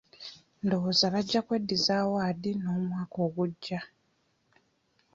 Ndowooza bajja kweddiza awaadi n'omwaka ogujja.